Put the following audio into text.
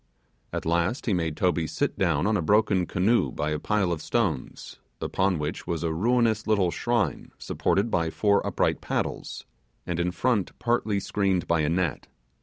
At last he made Toby sit down on a broken canoe by a pile of stones, upon which was a ruinous little shrine supported by four upright poles, and in front partly screened by a net.